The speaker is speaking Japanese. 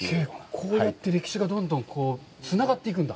こうやって歴史がどんどんつながっていくんだ。